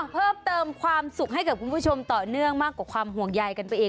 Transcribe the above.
เพิ่มเติมความสุขให้กับคุณผู้ชมต่อเนื่องมากกว่าความห่วงใยกันไปเอง